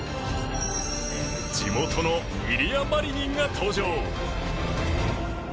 地元のイリア・マリニンが登場。